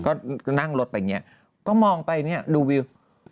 ก็นั่งรถไปอย่างเงี้ยก็มองไปเนี่ยดูวิว